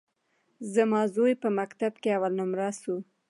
زما زوى په مکتب کښي اول نؤمره سو.